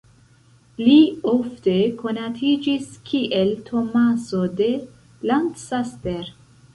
Li ofte konatiĝis kiel Tomaso de Lancaster.